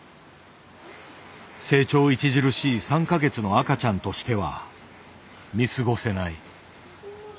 成長著しい３か月の赤ちゃんとしては見過ごせない。